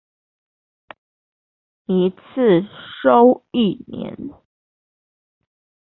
一次收一年